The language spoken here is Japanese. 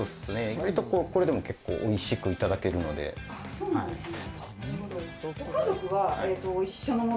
割とこうこれでも結構おいしくいただけるのでああそうなんですね